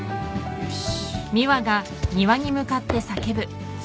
よし！